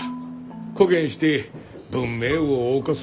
こげんして文明をおう歌すっ